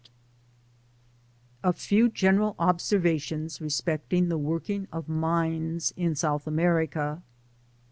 Digitized byGoogk A FEW GENERAL OBSERVATIONS RESPECT ING THE WORKING OP MINES IN SOUTH AMERICA.